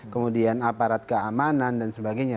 kemudian aparat keamanan dan sebagainya